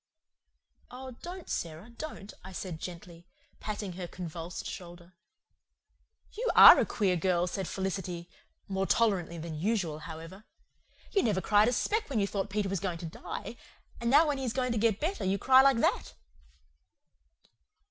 "Oh, don't, Sara, don't," I said gently, patting her convulsed shoulder. "You ARE a queer girl," said Felicity more tolerantly than usual however "you never cried a speck when you thought Peter was going to die and now when he is going to get better you cry like that."